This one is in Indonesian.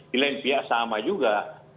di lain pihak sama juga